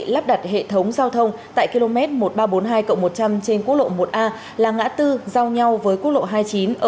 lắp đặt hệ thống giao thông tại km một nghìn ba trăm bốn mươi hai một trăm linh trên quốc lộ một a là ngã tư giao nhau với quốc lộ hai mươi chín